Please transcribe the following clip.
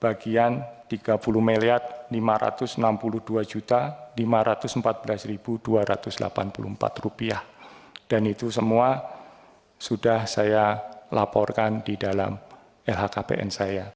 warisan yang diterimanya sudah dilaporkan dalam lhkpn